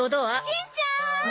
しんちゃーん！